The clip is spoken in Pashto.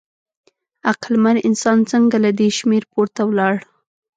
عقلمن انسان څنګه له دې شمېر پورته ولاړ؟